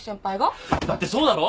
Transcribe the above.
だってそうだろ？